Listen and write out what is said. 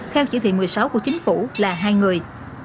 theo chỉ thị một mươi sáu của chính phủ là hai người